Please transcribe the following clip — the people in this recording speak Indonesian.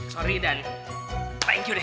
sorry dan thank you deh